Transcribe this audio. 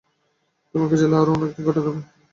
তোমাকে জেলে আরও অনেকদিন কাটাতে হবে, বাছা।